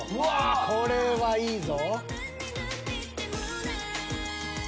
これはいいぞ。